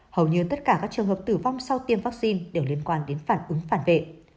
hầu như tất cả các trường hợp tử vong sau tiêm vaccine đều liên quan đến phản ứng phản vệ